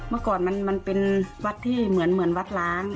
เมื่อก่อนมันเป็นวัดที่เหมือนวัดล้าง